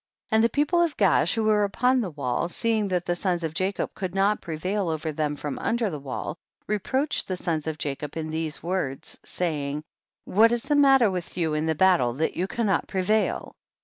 24. And the people of Gaash who were upon the wall, seeing that the sons of Jacob could not prevail over them from under the wall, reproach ed the sons of Jacob in these words ; saying , 25. What is the matter with you in the battle that you cannot prevail